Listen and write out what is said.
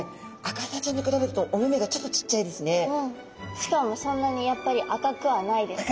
しかもそんなにやっぱり赤くはないですね。